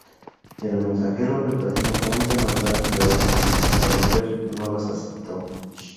El mensajero le ofreció once manzanas de oro, pero Gerd no las aceptó.